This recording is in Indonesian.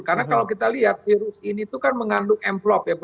karena kalau kita lihat virus ini itu kan mengandung envelop ya